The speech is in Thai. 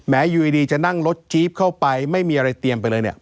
อยู่ดีจะนั่งรถจี๊บเข้าไปไม่มีอะไรเตรียมไปเลยเนี่ย